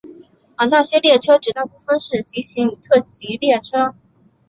而那些列车绝大部分是急行与特急列车。